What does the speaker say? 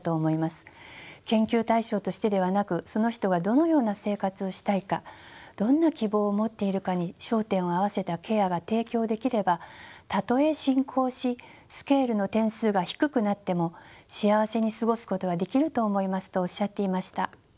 研究対象としてではなくその人がどのような生活をしたいかどんな希望を持っているかに焦点を合わせたケアが提供できればたとえ進行しスケールの点数が低くなっても幸せに過ごすことはできると思いますとおっしゃっていました。